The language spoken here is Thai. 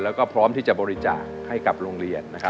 แล้วก็พร้อมที่จะบริจาคให้กับโรงเรียนนะครับ